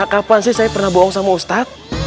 kapan sih saya pernah bohong sama ustadz